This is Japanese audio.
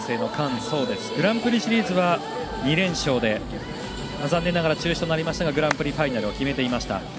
グランプリシリーズは２連勝で残念ながら中止となりましたがグランプリファイナルを決めていました。